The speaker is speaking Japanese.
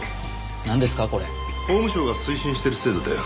法務省が推進してる制度だよ。